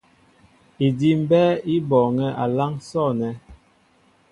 Idí' mbɛ́ɛ́ í bɔɔŋɛ́ a láŋ sɔ̂nɛ́.